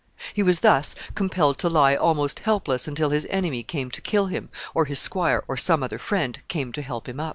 He was thus compelled to lie almost helpless until his enemy came to kill him, or his squire or some other friend came to help him up.